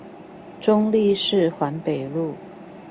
中壢市環北路